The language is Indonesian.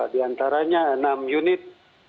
di antaranya enam unit